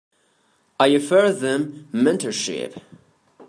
I offer them mentorship.